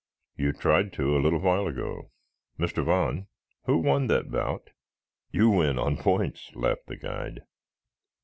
"You tried to a little while ago. Mr. Vaughn, who won that bout?" "You win on points," laughed the guide.